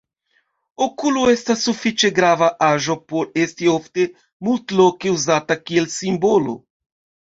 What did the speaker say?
Okulo estas sufiĉe grava aĵo, por esti ofte multloke uzata kiel simbolo.